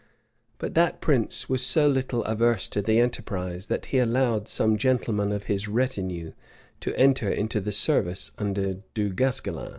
But that prince was so little averse to the enterprise, that he allowed some gentlemen of his retinue to enter into the service under Du Guesclin.